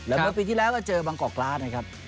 แล้วเมื่อปีที่แล้วก็เจอบางกอกกราศนะครับ